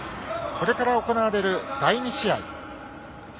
これから行われる第２試合。